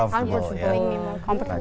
ya itu membuat saya lebih nyaman